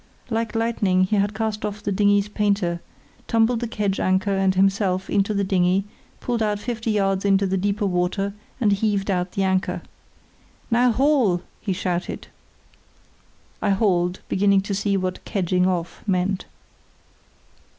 Like lightning he had cast off the dinghy's painter, tumbled the kedge anchor and himself into the dinghy, pulled out fifty yards into the deeper water, and heaved out the anchor. "Now haul," he shouted. I hauled, beginning to see what kedging off meant.